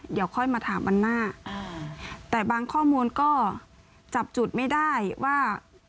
เดี๋ยวค่อยมาถามวันหน้าแต่บางข้อมูลก็จับจุดไม่ได้ว่า